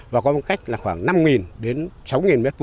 và có một cách là khoảng năm đến sáu m hai